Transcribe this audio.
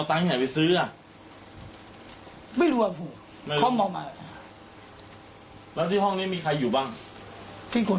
คนเดียวนะแล้วไอเมามาอยู่เป็นสองคน